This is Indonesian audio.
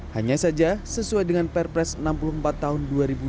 hanya saja sesuai dengan perpres enam puluh empat tahun dua ribu dua puluh